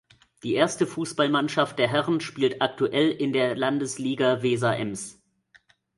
Die erste Fußballmannschaft der Herren spielt aktuell in der Landesliga Weser-Ems.